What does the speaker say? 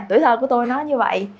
tuổi thơ của tôi nó như vậy